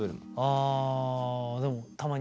あでもたまに。